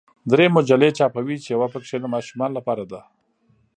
درې مجلې چاپوي چې یوه پکې د ماشومانو لپاره ده.